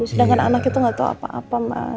sedangkan anak itu gak tahu apa apa mas